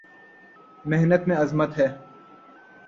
محنت میں عظمت ہے